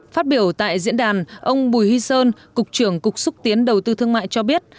phát biểu tại diễn đàn ông bùi hy sơn cục trưởng cục xúc tiến đầu tư thương mại cho biết